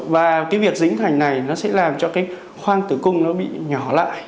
và cái việc dính thành này nó sẽ làm cho cái khoang tử cung nó bị nhỏ lại